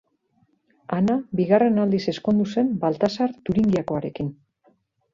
Ana bigarren aldiz ezkondu zen Baltasar Turingiakoarekin.